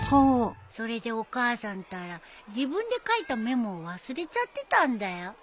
それでお母さんったら自分で書いたメモを忘れちゃってたんだよ。